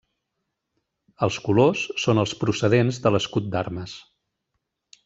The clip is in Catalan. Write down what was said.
Els colors són els procedents de l'escut d'armes.